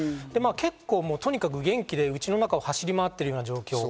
結構とにかく元気で家の中を走り回っている状況。